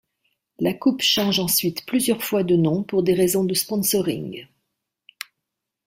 La coupe change ensuite plusieurs fois de noms pour des raisons de sponsoring.